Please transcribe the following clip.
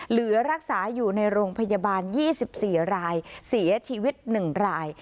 หรือรักษาอยู่ในโรงพยาบาลยี่สิบสี่รายเสียชีวิตหนึ่งราย